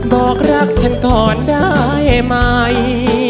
บอกรักฉันก่อนได้ไหม